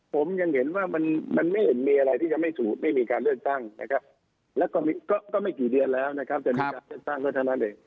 ผมยังเห็นว่ามันมันไม่เห็นมีอะไรที่จะไม่สู่ไม่มีการเลือกตั้งนะครับแล้วก็มีก็ก็ไม่กี่เดียวแล้วนะครับ